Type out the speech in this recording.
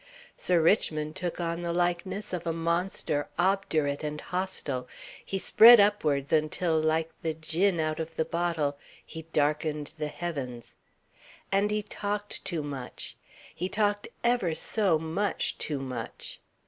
Sir Richmond took on the likeness of a monster obdurate and hostile, he spread upwards until like the Djinn out of the bottle, he darkened the heavens. And he talked too much. He talked ever so much too much.